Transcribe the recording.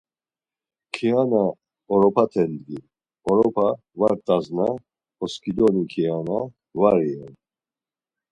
Kiana oropaten dgin, orapa var t̆asna oskidoni kiana var iven.